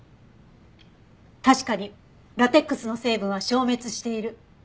確かにラテックスの成分は消滅している。